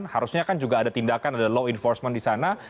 harusnya kan juga ada tindakan ada law enforcement di sana